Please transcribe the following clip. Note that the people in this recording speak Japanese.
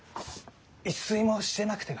一睡もしてなくてな。